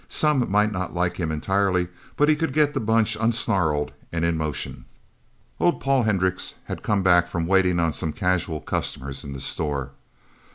Some might not like him, entirely. But he could get the Bunch unsnarled and in motion. Old Paul Hendricks had come back from waiting on some casual customers in the store.